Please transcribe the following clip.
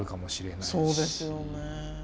そうですよね。